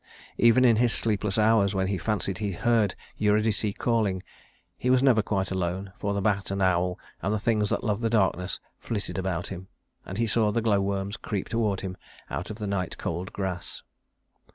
Even in his sleepless hours, when he fancied he heard Eurydice calling, he was never quite alone, for the bat and owl and the things that love the darkness flitted about him, and he saw the glow worms creep toward him out of the night cold grass.